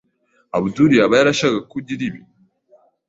Abdul yaba yarashakaga ko ugira ibi.